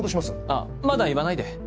あっまだ言わないで。